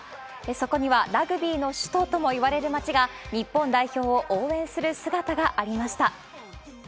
そこには、ラグビーの首都ともいわれる町が日本代表を応援する姿がありました。